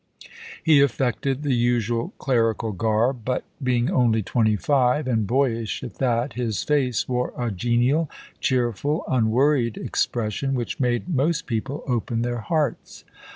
He affected the usual clerical garb, but being only twenty five, and boyish at that, his face wore a genial, cheerful, unworried expression, which made most people open their hearts.